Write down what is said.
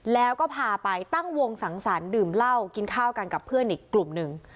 แล้วก็พาไปตั้งวงสังสรรค์ดื่มเหล้ากินข้าวกันกับเพื่อนอีกกลุ่มหนึ่ง